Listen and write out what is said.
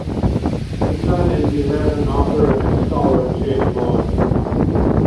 His son is the American author and scholar James Loehlin.